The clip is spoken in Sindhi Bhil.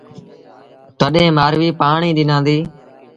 تڏهيݩ مآرويٚ پآڻيٚ ڏنآݩديٚ۔